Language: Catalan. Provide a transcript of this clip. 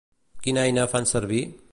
Quina eina fan servir?